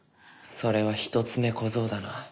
それは一つ目小僧だな。